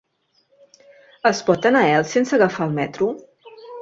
Es pot anar a Elx sense agafar el metro?